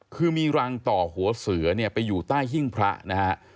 คือมีรังต่อหัวเสือเนี่ยไปอยู่ใต้หิ้งพระนะฮะ